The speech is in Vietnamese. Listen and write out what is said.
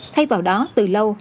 thay vào đó từ lâu